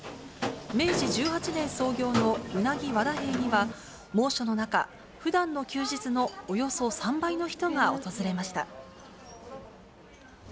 明治１８年創業のうなぎ和田平には、猛暑の中、ふだんの休日のおよそ３倍の人が訪れました。